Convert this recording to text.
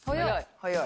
早い。